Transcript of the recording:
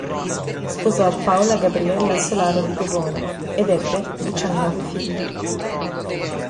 Sposò Paola Gabriella Solaro di Govone ed ebbe diciannove figli.